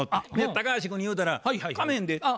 高橋君に言うたらかまへんで。